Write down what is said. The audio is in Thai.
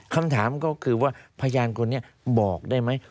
คำถามก็คือว่าพยานคนนี้บอกได้ไหม